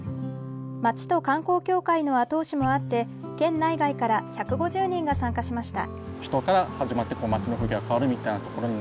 町と観光協会の後押しもあって県内外から１５０人が参加しました。